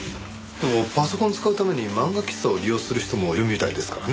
でもパソコン使うために漫画喫茶を利用する人もいるみたいですからね。